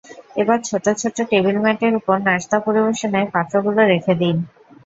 এবার ছোট ছোট টেবিল ম্যাটের ওপর নাশতা পরিবেশনের পাত্রগুলো রেখে দিন।